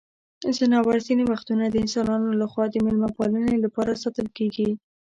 ځناور ځینې وختونه د انسانانو لخوا د مېلمه پالنې لپاره ساتل کیږي.